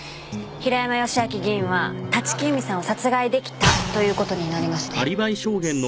平山義昭議員は立木由美さんを殺害出来たという事になりますね。